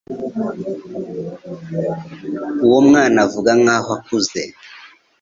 Uwo mwana avuga nkaho akuze.